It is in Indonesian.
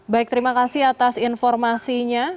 baik terima kasih atas informasinya